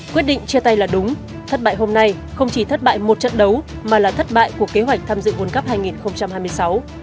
quyết định chia tay là đúng thất bại hôm nay không chỉ thất bại một trận đấu mà là thất bại của kế hoạch tham dự world cup hai nghìn hai mươi sáu